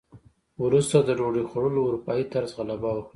وروسته د ډوډۍ خوړلو اروپايي طرز غلبه وکړه.